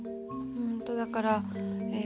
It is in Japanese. うんとだからえ